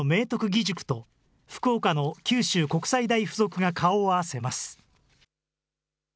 義塾と福岡の九州国際大付属が顔を合わせます。